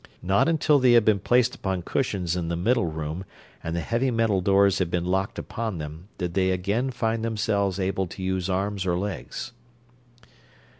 Not until they had been placed upon cushions in the middle room and the heavy metal doors had been locked upon them did they again find themselves able to use arms or legs.